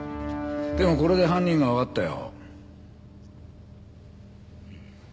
でもこれで犯人がわかったよ。